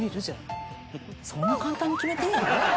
そんな簡単に決めていいの？